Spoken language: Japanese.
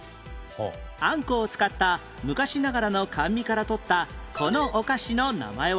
あんこを使った昔ながらの甘味からとったこのお菓子の名前は？